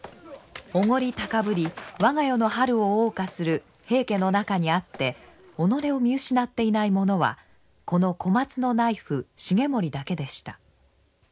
おごり高ぶり我が世の春をおう歌する平家の中にあって己を見失っていない者はこの小松内府重盛だけでした。